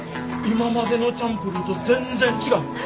今までのチャンプルーと全然違う！